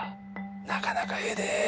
なかなかええで。